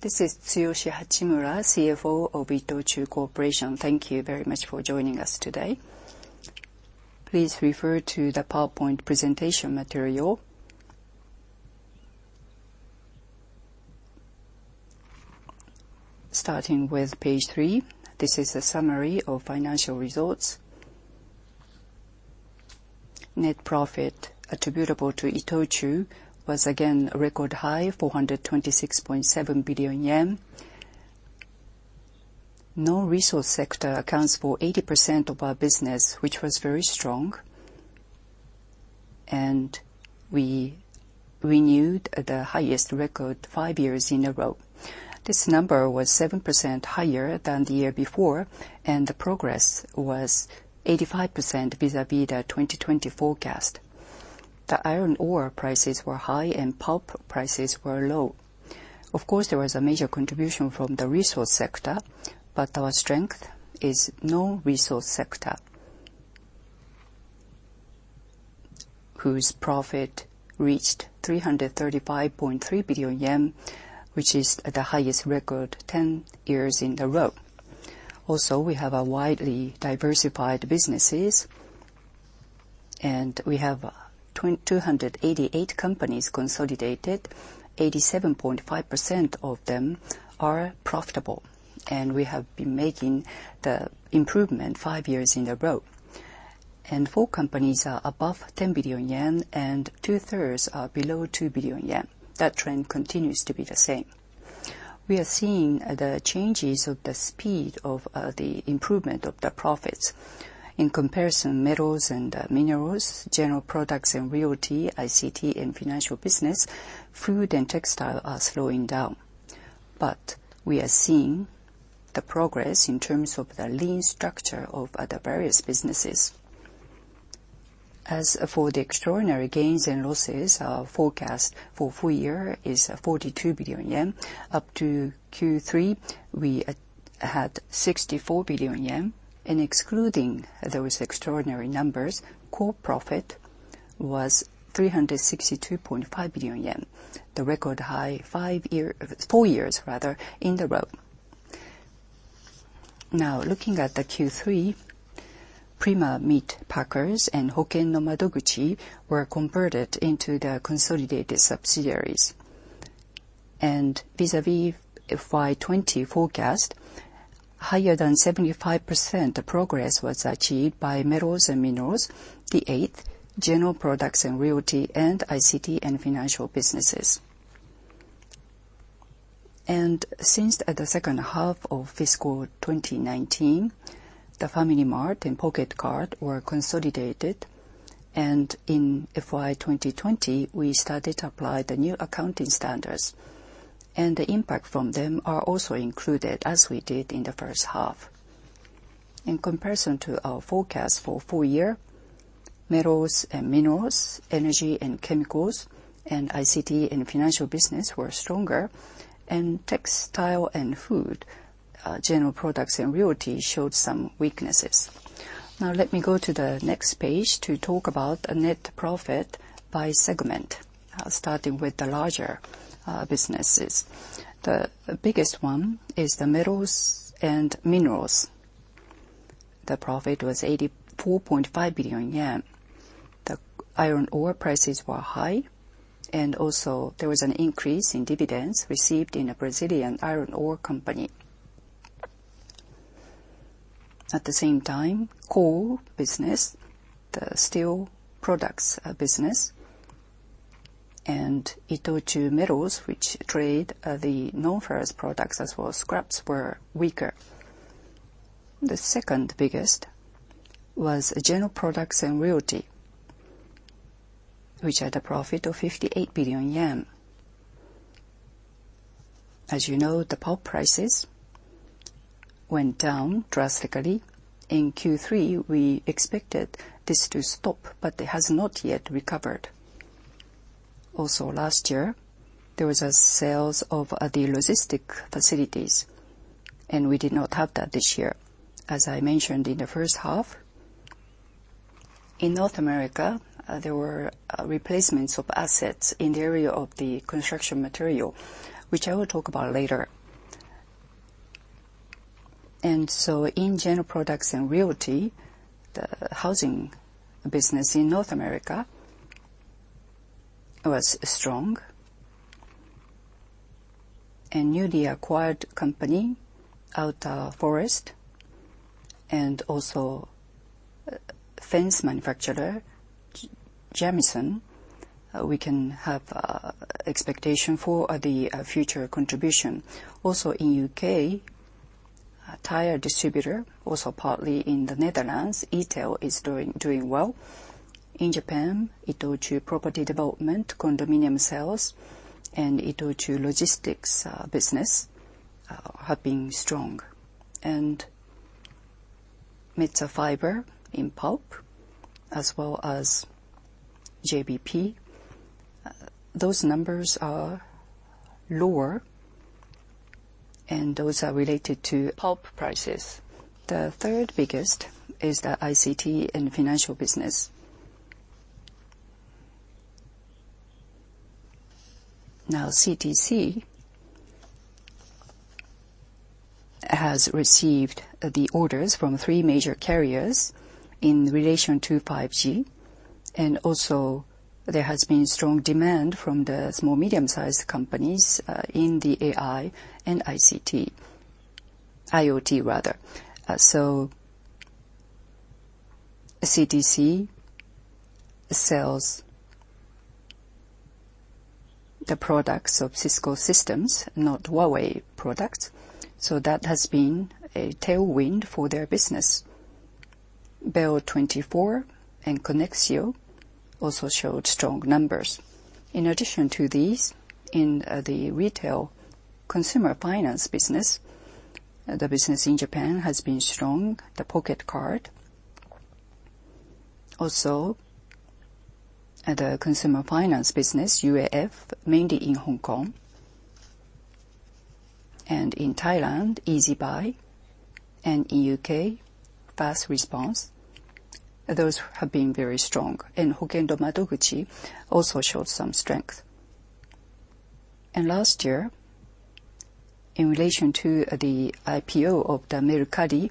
This is Tsuyoshi Hachimura, CFO of ITOCHU Corporation. Thank you very much for joining us today. Please refer to the PowerPoint Presentation Material. Starting with page three, this is a summary of financial results. Net Profit attributable to ITOCHU was again a record high, 426.7 billion yen. Non-Resource Sector accounts for 80% of our business, which was very strong, and we renewed the highest record five years in a row. This number was 7% higher than the year before, and the progress was 85% vis-à-vis the 2020 forecast. The iron ore prices were high, and pulp prices were low. Of course, there was a major contribution from the Resource Sector, but our strength is Non-Resource Sector, whose profit reached 335.3 billion yen, which is the highest record 10 years in a row. Also, we have widely diversified businesses, and we have 288 companies consolidated; 87.5% of them are profitable, and we have been making the improvement five years in a row. Four companies are above 10 billion yen, and two-thirds are below 2 billion yen. That trend continues to be the same. We are seeing the changes of the speed of the improvement of the profits. In comparison, Metals and Minerals, General Products and Realty, ICT, and Financial Business, Food and Textile are slowing down. We are seeing the progress in terms of the lean structure of the various businesses. As for the extraordinary gains and losses, our forecast for full year is 42 billion yen. Up to Q3, we had 64 billion yen. Excluding those extraordinary numbers, core profit was 362.5 billion yen, the record high four years in a row. Now, looking at the Q3, Prima Meat Packers and Hoken No Madoguchi were converted into the consolidated subsidiaries. Vis-à-vis FY 2020 forecast, higher than 75% progress was achieved by Metals and Minerals, The 8th, General Products and Realty, and ICT and Financial Businesses. Since the second half of fiscal 2019, the FamilyMart and Pocket Card were consolidated, and in FY 2020, we started to apply the new accounting standards. The impact from them is also included, as we did in the first half. In comparison to our forecast for full year, Metals and Minerals, Energy and Chemicals, and ICT and Financial Business were stronger, and Textile and Food, general products and realty showed some weaknesses. Now, let me go to the next page to talk about the net profit by segment, starting with the larger businesses. The biggest one is the Metals and Minerals. The profit was 84.5 billion yen. The iron ore prices were high, and also there was an increase in dividends received in a Brazilian iron ore company. At the same time, coal business, the steel products business, and ITOCHU Metals, which trade the non-ferrous products as well as scraps, were weaker. The second biggest was General Products and Realty, which had a profit of 58 billion yen. As you know, the pulp prices went down drastically. In Q3, we expected this to stop, but it has not yet recovered. Also, last year, there were sales of the logistics facilities, and we did not have that this year, as I mentioned in the first half. In North America, there were replacements of assets in the area of the construction material, which I will talk about later. In general products and realty, the housing business in North America was strong. A newly acquired company Alta Forest and also fence manufacturer Jamieson, we can have expectations for the future contribution. Also, in the U.K., a tire distributor, also partly in the Netherlands, ETEL is doing well. In Japan, ITOCHU Property Development, condominium sales, and ITOCHU Logistics Business have been strong. And Metsä Fibre in pulp, as well as JBP, those numbers are lower, and those are related to pulp prices. The third biggest is the ICT and Financial Business. Now, CTC has received the orders from three major carriers in relation to 5G, and also there has been strong demand from the small-medium-sized companies in the AI and ICT, IoT, rather. CTC sells the products of Cisco Systems, not Huawei products. That has been a tailwind for their business. Bell 24 and Connexio also showed strong numbers. In addition to these, in the Retail Consumer Finance Business, the business in Japan has been strong, the Pocket Card. Also, the Consumer Finance Business, UAF, mainly in Hong Kong. In Thailand, EASY BUY, and in the U.K., First Response. Those have been very strong. Hoken No Madoguchi also showed some strength. Last year, in relation to the IPO of Mercari,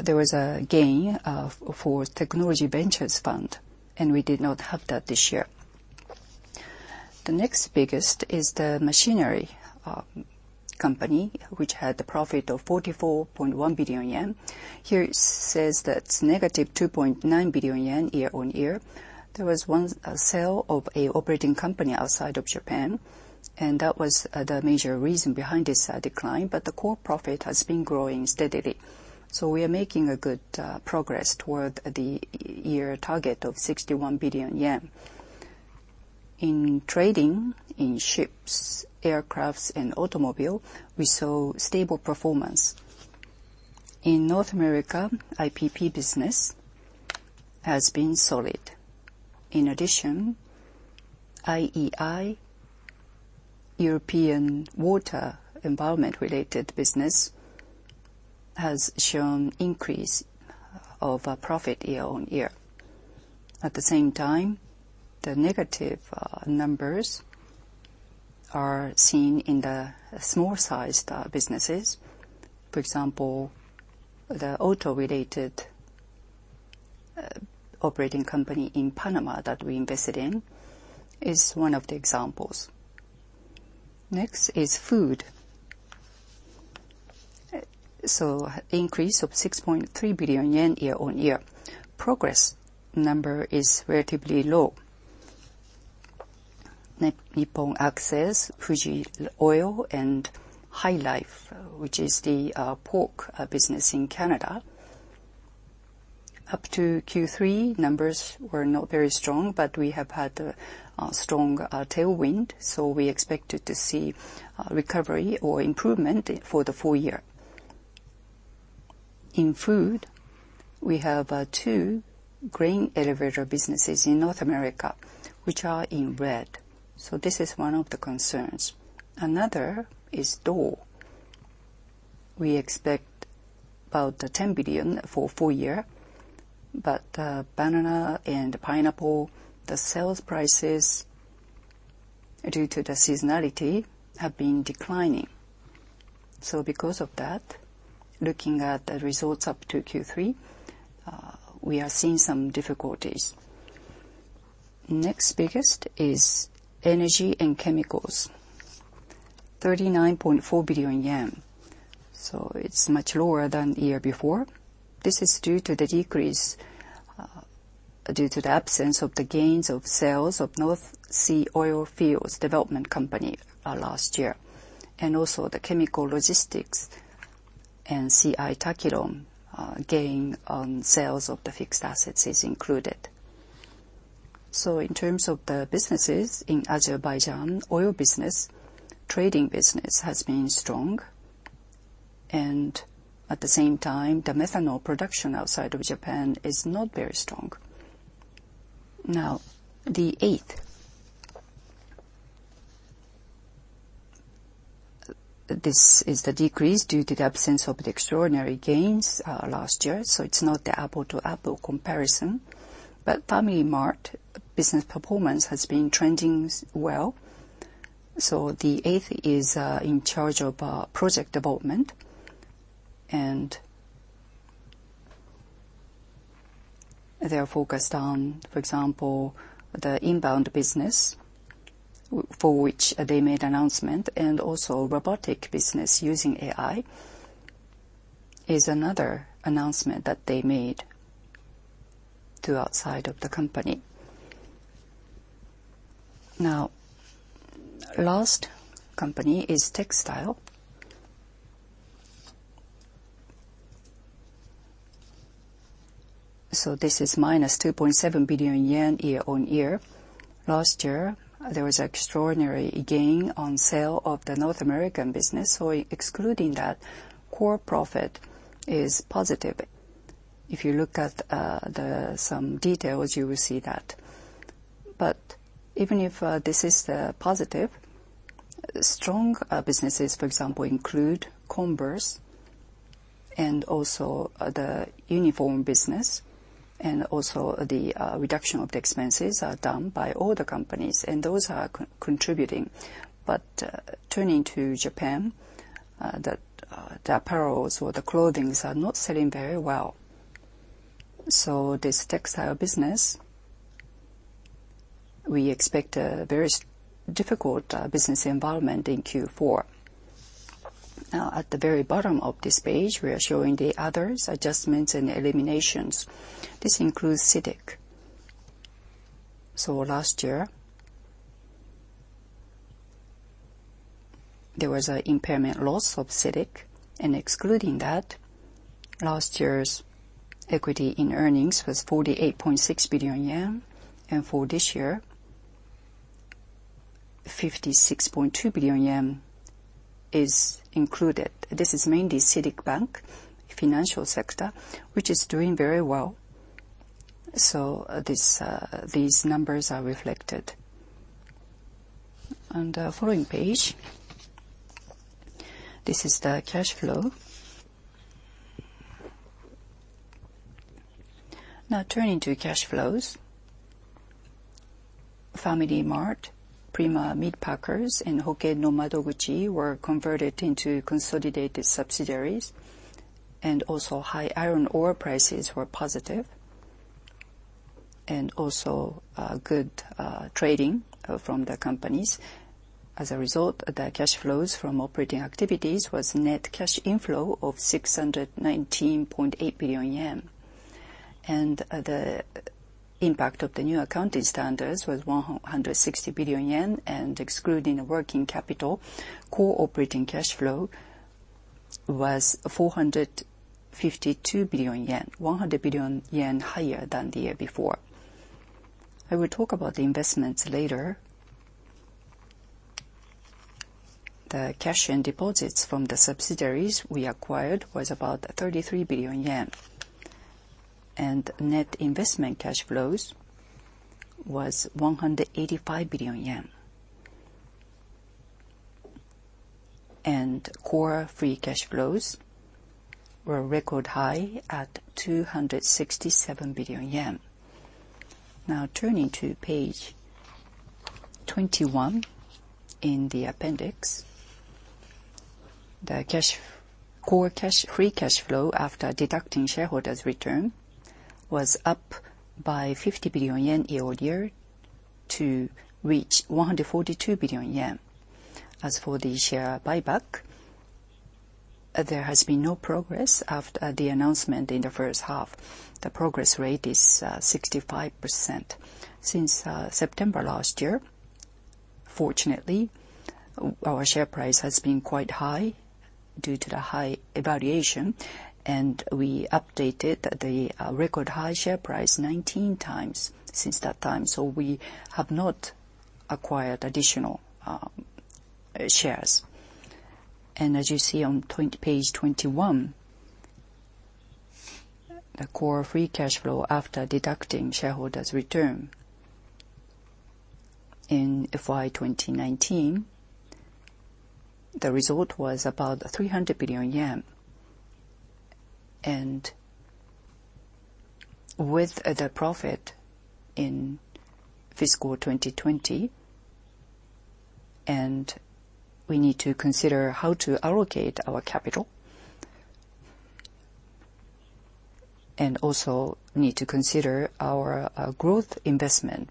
there was a gain for Technology Ventures Fund, and we did not have that this year. The next biggest is the Machinery Company, which had a profit of 44.1 billion yen. Here it says that is negative 2.9 billion yen year on year. There was one sale of an operating company outside of Japan, and that was the major reason behind this decline, but the core profit has been growing steadily. We are making good progress toward the year target of 61 billion yen. In trading in ships, aircraft, and automobile, we saw stable performance. In North America, IPP business has been solid. In addition, IEI, European Water Environment Related Business, has shown an increase of profit year on year. At the same time, the negative numbers are seen in the small-sized businesses. For example, the auto-related operating company in Panama that we invested in is one of the examples. Next is Food. An increase of 6.3 billion yen year on year. Progress number is relatively low. NIPPON ACCESS, FUJI OIL, and HyLife, which is the pork business in Canada. Up to Q3, numbers were not very strong, but we have had a strong tailwind, so we expect to see recovery or improvement for the full year. In food, we have two grain elevator businesses in North America, which are in red. This is one of the concerns. Another is Dole. We expect about 10 billion for full year, but banana and pineapple, the sales prices due to the seasonality have been declining. Because of that, looking at the results up to Q3, we are seeing some difficulties. Next biggest is Energy and Chemicals, 39.4 billion yen. It is much lower than the year before. This is due to the decrease due to the absence of the gains of sales of North Sea oil fields development company last year. Also, the chemical logistics and C.I. Takiron gain on sales of the fixed assets is included. In terms of the businesses in Azerbaijan, oil business, trading business has been strong, and at the same time, the methanol production outside of Japan is not very strong. Now, The 8th, this is the decrease due to the absence of the extraordinary gains last year, so it is not the apples-to-apples comparison. FamilyMart Business Performance has been trending well. The 8th is in charge of Project Development, and they are focused on, for example, the Inbound Business for which they made announcements, and also Robotic Business using AI is another announcement that they made to outside of the company. Now, the last company is Textile. This is minus 2.7 billion yen year on year. Last year, there was an extraordinary gain on sale of the North American Business, so excluding that, core profit is positive. If you look at some details, you will see that. Even if this is positive, strong businesses, for example, include Converse and also the Uniform Business, and also the reduction of the expenses are done by all the companies, and those are contributing. Turning to Japan, the apparels or the clothings are not selling very well. This Textile Business, we expect a very difficult business environment in Q4. At the very bottom of this page, we are showing the Others, Adjustments and Eliminations. This includes CITIC. Last year, there was an impairment loss of CITIC, and excluding that, last year's equity in earnings was 48.6 billion yen, and for this year, 56.2 billion yen is included. This is mainly CITIC Bank, Financial Sector, which is doing very well. These numbers are reflected. On the following page, this is the Cash Flow. Turning to cash flows, FamilyMart, Prima Meat Packers, and Hoken No Madoguchi were converted into consolidated subsidiaries, and also high iron ore prices were positive, and also good trading from the companies. As a result, the cash flows from operating activities was net cash inflow of 619.8 billion yen, and the impact of the new accounting standards was 160 billion yen, and excluding working capital, core operating cash flow was 452 billion yen, 100 billion yen higher than the year before. I will talk about the investments later. The cash and deposits from the subsidiaries we acquired was about 33 billion yen, and net investment cash flows was 185 billion yen. Core free cash flows were record high at 267 billion yen. Now, turning to page 21 in the appendix, the core free cash flow after deducting shareholders' return was up by 50 billion yen year on year to reach 142 billion yen. As for the share buyback, there has been no progress after the announcement in the first half. The progress rate is 65%. Since September last year, fortunately, our share price has been quite high due to the high evaluation, and we updated the record high share price 19 times since that time. We have not acquired additional shares. As you see on page 21, the core free cash flow after deducting shareholders' return in FY 2019, the result was about 300 billion yen. With the profit in fiscal 2020, we need to consider how to allocate our capital, and also need to consider our growth investment.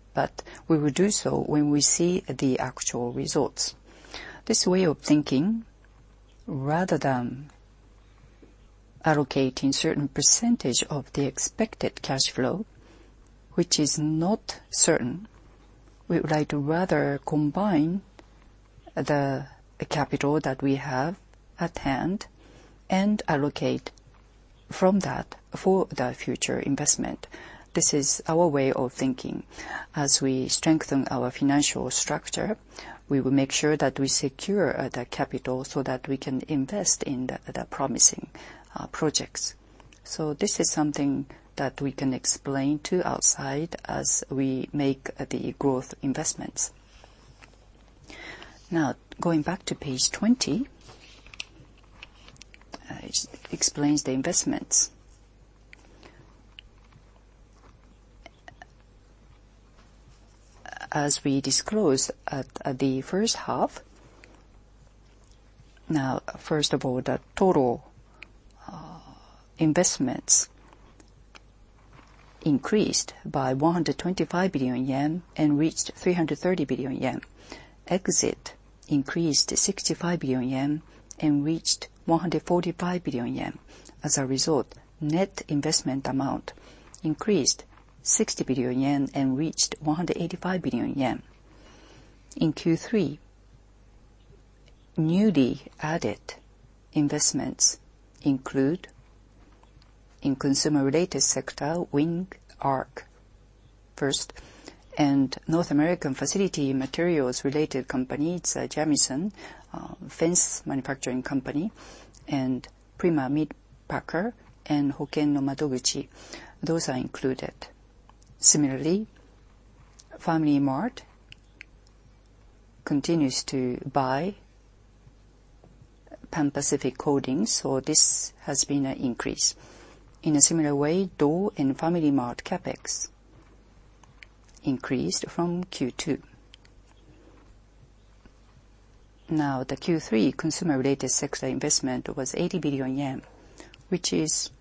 We will do so when we see the actual results. This way of thinking, rather than allocating a certain percentage of the expected cash flow, which is not certain, we would like to rather combine the capital that we have at hand and allocate from that for the future investment. This is our way of thinking. As we strengthen our financial structure, we will make sure that we secure the capital so that we can invest in the promising projects. This is something that we can explain to outside as we make the growth investments. Now, going back to page 20, it explains the investments. As we disclose the first half, now, first of all, the total investments increased by 125 billion yen and reached 330 billion yen. Exit increased 65 billion yen and reached 145 billion yen. As a result, net investment amount increased 60 billion yen and reached 185 billion yen. In Q3, newly added investments include in consumer-related sector, WingArc1st, and North American Facility Materials Related Company, it's a Jamieson Fence Manufacturing Company, and Prima Meat Packers and Hoken No Madoguchi. Those are included. Similarly, FamilyMart continues to buy Pan Pacific International Holdings, so this has been an increase. In a similar way, Dole and FamilyMart CapEx increased from Q2. Now, the Q3 consumer-related sector investment was 80 billion yen, which is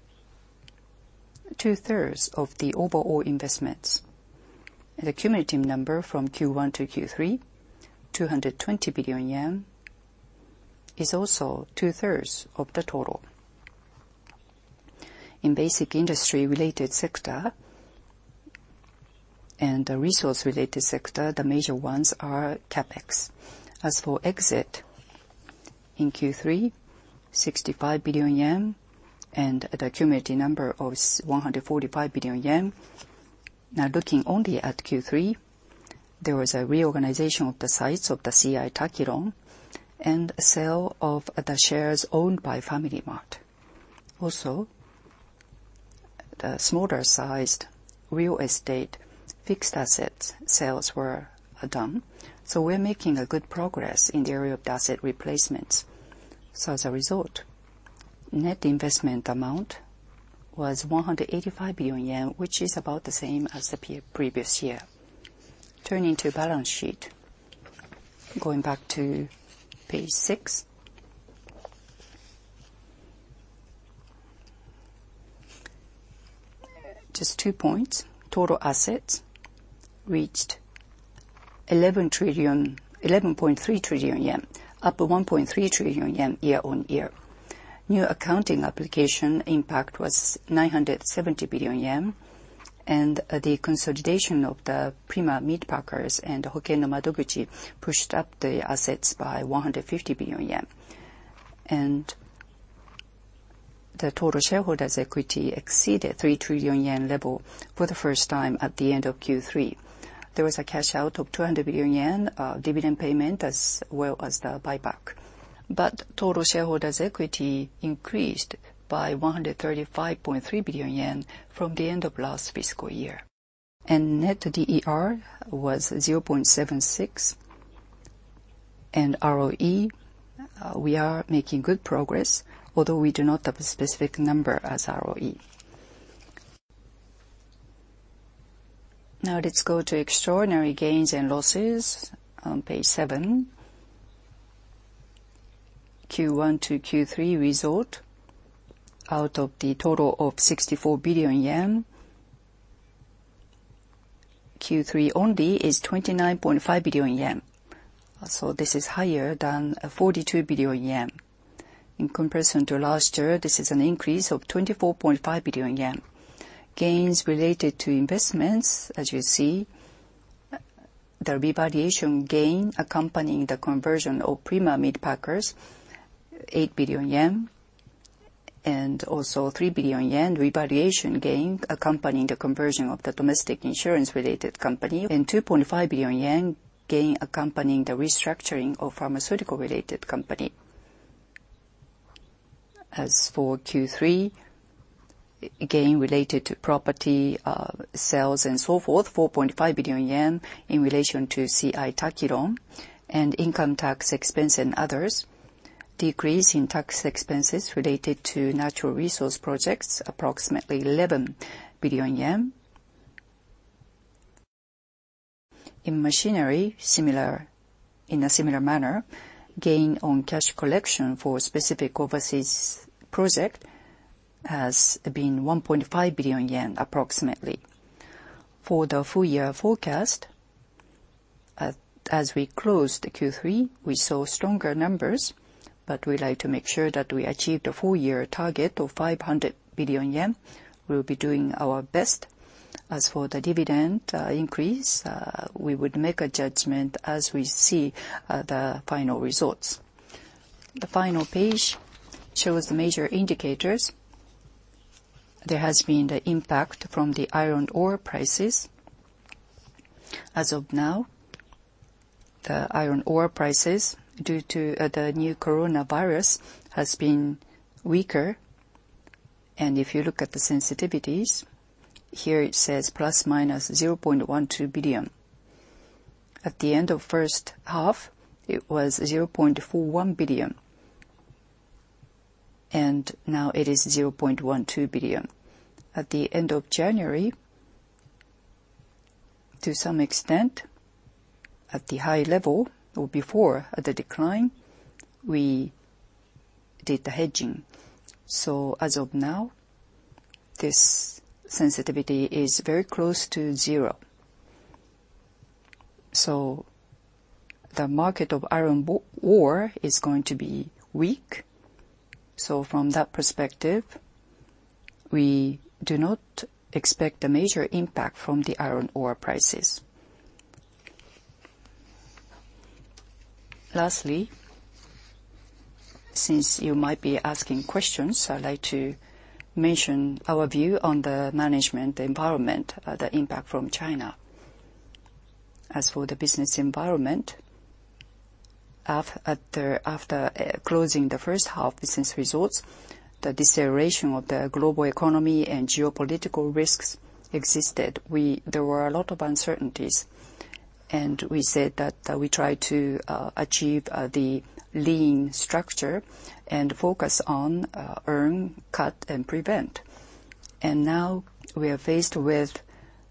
two-thirds of the overall investments. The cumulative number from Q1 to Q3, 220 billion yen, is also two-thirds of the total. In basic industry-related sector and the resource-related sector, the major ones are CapEx. As for exit in Q3, 65 billion yen, and the cumulative number of 145 billion yen. Now, looking only at Q3, there was a reorganization of the sites of the C.I. TAKIRON and sale of the shares owned by FamilyMart. Also, the smaller-sized real estate fixed assets sales were done. We are making good progress in the area of the asset replacements. As a result, net investment amount was 185 billion yen, which is about the same as the previous year. Turning to balance sheet, going back to page six, just two points. Total assets reached 11.3 trillion yen, up 1.3 trillion yen year on year. New accounting application impact was 970 billion yen, and the consolidation of Prima Meat Packers and Hoken No Madoguchi pushed up the assets by 150 billion yen. The total shareholders' equity exceeded the 3 trillion yen level for the first time at the end of Q3. There was a cash out of 200 billion yen dividend payment as well as the buyback. Total shareholders' equity increased by 135.3 billion yen from the end of last fiscal year. Net DER was 0.76. ROE, we are making good progress, although we do not have a specific number as ROE. Now, let's go to extraordinary gains and losses on page seven. Q1 to Q3 result out of the total of 64 billion yen, Q3 only is 29.5 billion yen. This is higher than 42 billion yen. In comparison to last year, this is an increase of 24.5 billion yen. Gains related to investments, as you see, the revaluation gain accompanying the conversion of Prima Meat Packers, 8 billion yen, and also 3 billion yen revaluation gain accompanying the conversion of the domestic insurance-related company. 2.5 billion yen gain accompanying the restructuring of pharmaceutical-related company. As for Q3, gain related to property sales and so forth, 4.5 billion yen in relation to C.I. TAKIRON and income tax expense and others. Decrease in tax expenses related to natural resource projects, approximately 11 billion yen. In machinery, in a similar manner, gain on cash collection for specific overseas projects has been 1.5 billion yen, approximately. For the full-year forecast, as we closed Q3, we saw stronger numbers, but we like to make sure that we achieve the full-year target of 500 billion yen. We'll be doing our best. As for the dividend increase, we would make a judgment as we see the final results. The final page shows the major indicators. There has been the impact from the iron ore prices. As of now, the iron ore prices due to the new coronavirus have been weaker. If you look at the sensitivities, here it says plus minus 0.12 billion. At the end of first half, it was 0.41 billion, and now it is 0.12 billion. At the end of January, to some extent, at the high level or before the decline, we did the hedging. As of now, this sensitivity is very close to zero. The market of iron ore is going to be weak. From that perspective, we do not expect a major impact from the iron ore prices. Lastly, since you might be asking questions, I would like to mention our view on the management environment, the impact from China. As for the business environment, after closing the first half business results, the deceleration of the global economy and geopolitical risks existed. There were a lot of uncertainties, and we said that we try to achieve the lean structure and focus on earn, cut, and prevent. Now we are faced with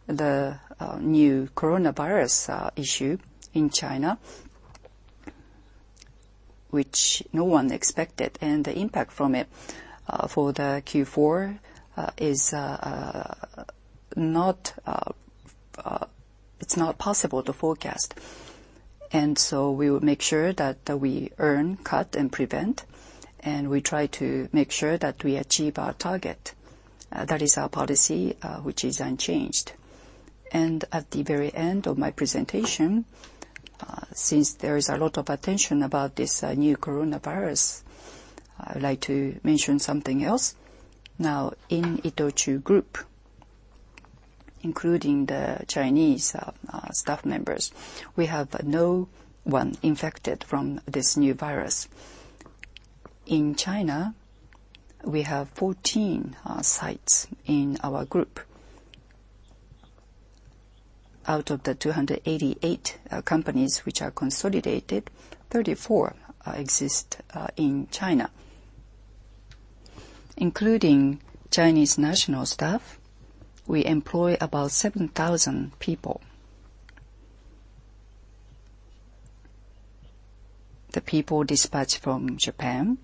the new coronavirus issue in China, which no one expected, and the impact from it for Q4 is not possible to forecast. We will make sure that we earn, cut, and prevent, and we try to make sure that we achieve our target. That is our policy, which is unchanged. At the very end of my presentation, since there is a lot of attention about this new coronavirus, I'd like to mention something else. Now, in ITOCHU Group, including the Chinese staff members, we have no one infected from this new virus. In China, we have 14 sites in our group. Out of the 288 companies which are consolidated, 34 exist in China. Including Chinese national staff, we employ about 7,000 people. The people dispatched from Japan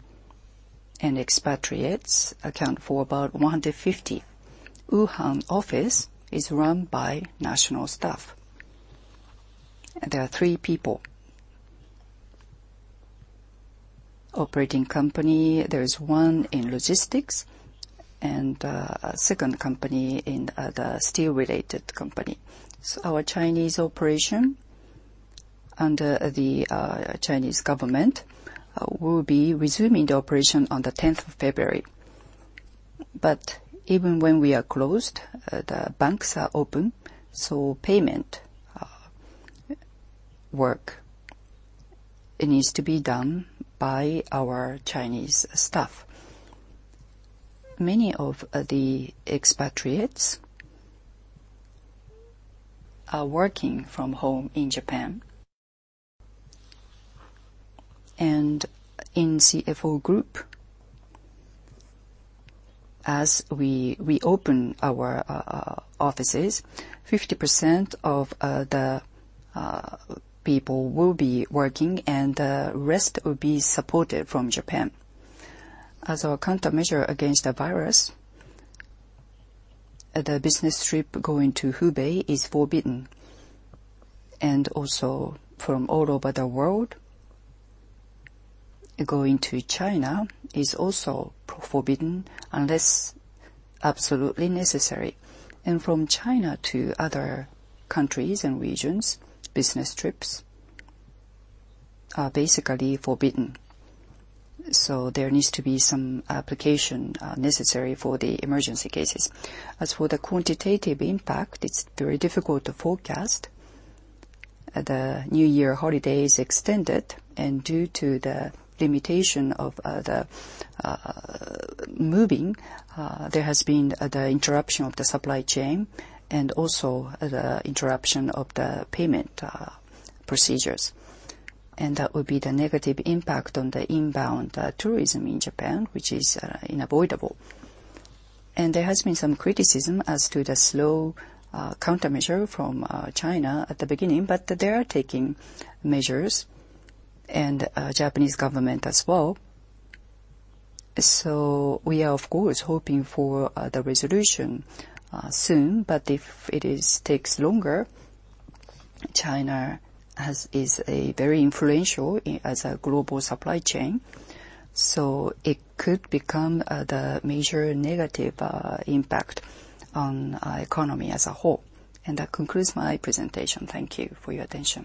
and expatriates account for about 150. Wuhan office is run by national staff. There are three people. Operating company, there is one in logistics and a second company in the steel-related company. Our Chinese operation under the Chinese government will be resuming the operation on the 10th of February. Even when we are closed, the banks are open, so payment work needs to be done by our Chinese staff. Many of the expatriates are working from home in Japan. In CFO Group, as we reopen our offices, 50% of the people will be working, and the rest will be supported from Japan. As our countermeasure against the virus, the business trip going to Hubei is forbidden. Also, from all over the world, going to China is also forbidden unless absolutely necessary. From China to other countries and regions, business trips are basically forbidden. There needs to be some application necessary for the emergency cases. As for the quantitative impact, it's very difficult to forecast. The New Year holiday is extended, and due to the limitation of the moving, there has been the interruption of the supply chain and also the interruption of the payment procedures. That would be the negative impact on the inbound tourism in Japan, which is inavoidable. There has been some criticism as to the slow countermeasure from China at the beginning, but they are taking measures, and the Japanese government as well. We are, of course, hoping for the resolution soon, but if it takes longer, China is very influential as a global supply chain. It could become the major negative impact on the economy as a whole. That concludes my presentation. Thank you for your attention.